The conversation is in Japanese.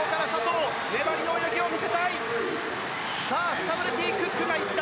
スタブルティ・クックが行った。